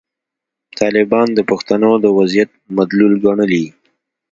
طالبان د پښتنو د وضعیت مدلول ګڼلي.